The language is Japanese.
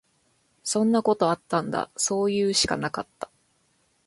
そんなことあったんだ。そういうしかなかった。